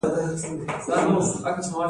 د غزني غزې ولې کمیږي؟